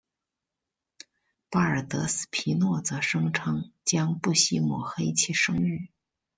巴尔德斯皮诺则声称将不惜抹黑其声誉。